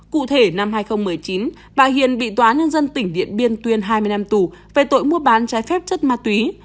cụ thể năm hai nghìn một mươi chín bà hiền bị tòa án nhân dân tỉnh điện biên tuyên hai mươi năm tù về tội mua bán trái phép chất ma túy